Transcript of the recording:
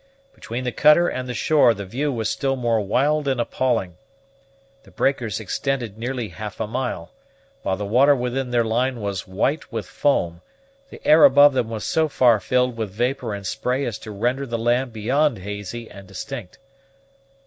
Between the cutter and the shore the view was still more wild and appalling. The breakers extended nearly half a mile; while the water within their line was white with foam, the air above them was so far filled with vapor and spray as to render the land beyond hazy and indistinct.